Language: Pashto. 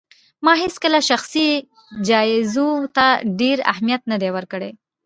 ما هيڅکله شخصي جايزو ته ډېر اهمیت نه دی ورکړی